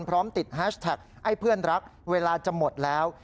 พร้อมติดแฮชแท็กให้เพื่อนรักเวลาจะหมดแล้ว